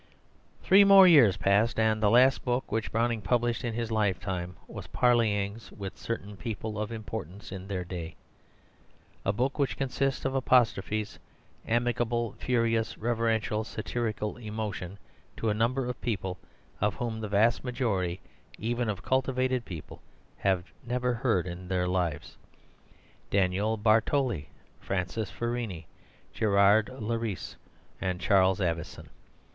Three more years passed, and the last book which Browning published in his lifetime was Parleyings with Certain People of Importance in their Day, a book which consists of apostrophes, amicable, furious, reverential, satirical, emotional to a number of people of whom the vast majority even of cultivated people have never heard in their lives Daniel Bartoli, Francis Furini, Gerard de Lairesse, and Charles Avison.